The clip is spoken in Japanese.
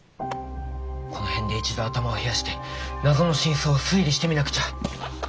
この辺で一度頭を冷やして謎の真相を推理してみなくちゃ！